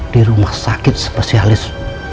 di rumah sakit spesialis